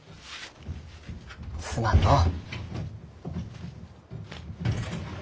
すまんのう。